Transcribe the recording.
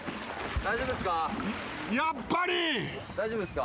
大丈夫っすか？